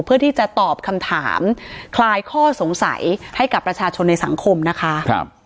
เพื่อที่จะตอบคำถามคลายข้อสงสัยให้กับประชาชนในสังคมนะคะ